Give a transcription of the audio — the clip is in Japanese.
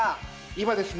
今ですね